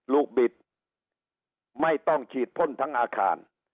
บิดไม่ต้องฉีดพ่นทั้งอาคาร